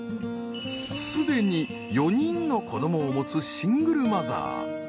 すでに４人の子どもを持つシングルマザー。